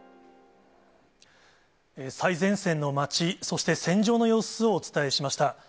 最前線の町、そして、戦場の様子をお伝えしました。